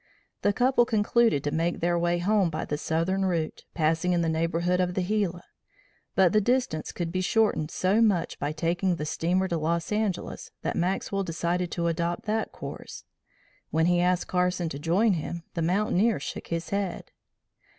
The couple concluded to make their way home by the southern route, passing in the neighborhood of the Gila; but the distance could be shortened so much by taking the steamer to Los Angeles that Maxwell decided to adopt that course. When he asked Carson to join him the mountaineer shook his head.